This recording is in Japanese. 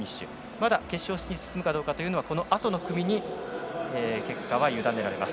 まだ決勝に進むかどうかはこのあとの組に結果はゆだねられます。